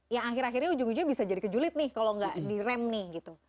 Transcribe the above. ya akhir akhirnya ujung ujungnya bisa jadi ke julid nih kalo gak direm nih gitu